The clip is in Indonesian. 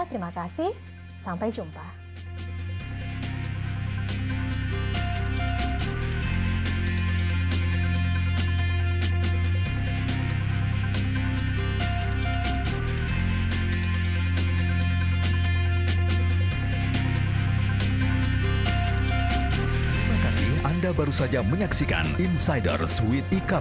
terima kasih sampai jumpa